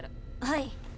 はい。